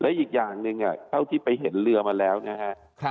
และอีกอย่างหนึ่งเท่าที่ไปเห็นเรือมาแล้วนะฮะ